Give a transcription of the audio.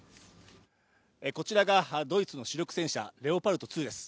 こちらがドイツの主力戦車レオパルト２です。